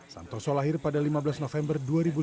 santoso lahir pada lima belas november dua ribu lima belas